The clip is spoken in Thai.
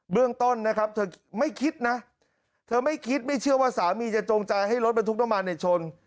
เรื่องต้นนะครับเธอไม่คิดนะเธอไม่คิดไม่เชื่อว่าสามีจะจงใจให้รถบรรทุกน้ำมันในชน